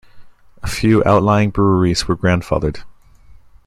A few outlying breweries were grandfathered.